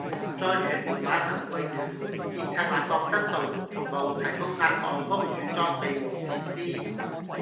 在屯門碼頭為屯門至赤鱲角新渡輪服務提供額外屋宇裝備和設施